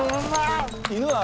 犬は。